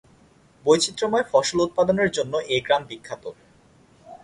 বৈচিত্র্যময় ফসল উৎপাদনের জন্য এ গ্রাম বিখ্যাত।